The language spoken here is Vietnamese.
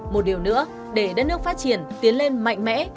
một điều nữa để đất nước phát triển tiến lên mạnh mẽ